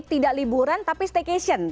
tidak liburan tapi staycation